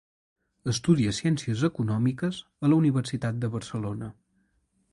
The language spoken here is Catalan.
Estudia ciències Econòmiques a la Universitat de Barcelona.